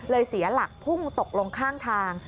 เสียหลักพุ่งตกลงข้างทาง